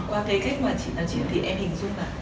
qua cái cách mà chị nói chuyện thì em hình dung là